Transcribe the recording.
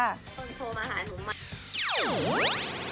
ต้นโทรมาหาหนุ่มใหม่